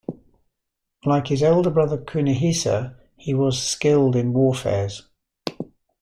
Like his elder brother Kunihisa, he was skilled in warfares.